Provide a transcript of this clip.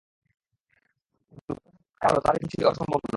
কিন্তু গত সপ্তাহে যা হলো তাতে তো কিছুই অসম্ভব নয়।